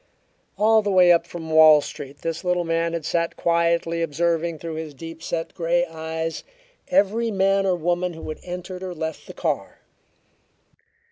All the way up from Wall Street this little man had sat quietly observing through his deep set grey eyes every man or woman who had entered or left the car.